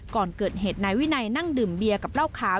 ก่อนเกิดเหตุนายวินัยนั่งดื่มเบียร์กับเหล้าขาว